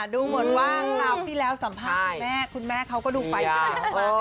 ดูเหมือนว่างเวลาที่แล้วสัมภาษณ์ของแม่คุณแม่เขาก็ดูไฟล์จะแหละมาก